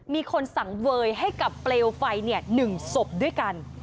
มีคนสังเวยให้กับเปลวไฟ๑ศพด้วยกัน